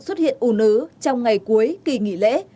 xuất hiện un ứ trong ngày cuối kỳ nghỉ lễ